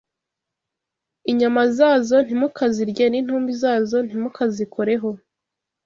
Inyama zazo ntimukazirye, n’intumbi zazo ntimukazikoreho